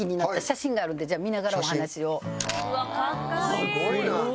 すごいな。